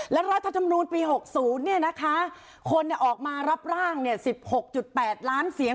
และรัฐธรรมนูลปี๖๐คนออกมารับร่าง๑๖๘ล้านเสียง